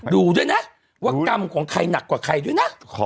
ดูด้วยนะว่ากรรมของใครหนักกว่าใครด้วยนะ